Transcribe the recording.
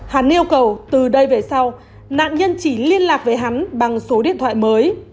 hắn yêu cầu từ đây về sau nạn nhân chỉ liên lạc với hắn bằng số điện thoại mới